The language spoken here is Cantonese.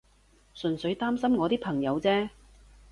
純粹擔心我啲朋友啫